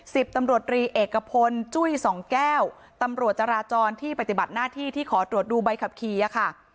สิบตำรวจรีเอกพลจุ้ยสองแก้วตำรวจจราจรที่ปฏิบัติหน้าที่ที่ขอตรวจดูใบขับขี่อะค่ะ